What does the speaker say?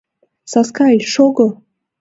Саскай, шого!